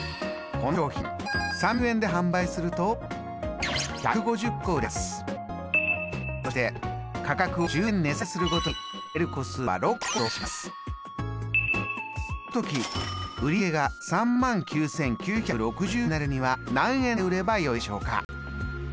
この商品３００円で販売するとそして価格を１０円値下げするごとにこの時売り上げが３万９，９６０円になるには何円で売ればよいでしょうか？